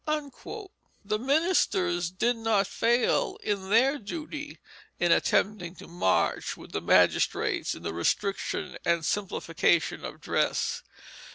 The ministers did not fail in their duty in attempting to march with the magistrates in the restriction and simplification of dress.